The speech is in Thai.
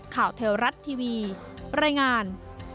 ข่าวเทลรัตน์ทีวีรายงาน